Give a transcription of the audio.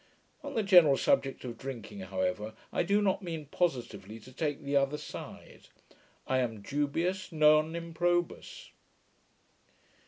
On the general subject of drinking, however, I do not mean positively to take the other side. I am dubius, non improbus.